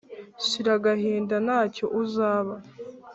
shira agahinda ntacyo uzaba